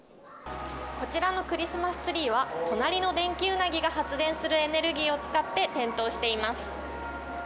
こちらのクリスマスツリーは、隣のデンキウナギが発電するエネルギーを使って点灯しています。